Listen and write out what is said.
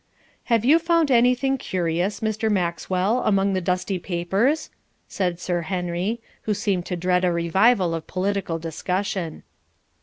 'Have you found anything curious, Mr. Maxwell, among the dusty papers?' said Sir Henry, who seemed to dread a revival of political discussion.